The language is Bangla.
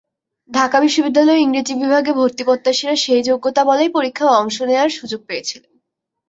ঢাকা বিশ্ববিদ্যালয়ে ইংরেজি বিভাগে ভর্তিপ্রত্যাশীরা সেই যোগ্যতাবলেই পরীক্ষায় অংশ নেওয়ার সুযোগ পেয়েছিলেন।